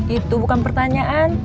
itu bukan pertanyaan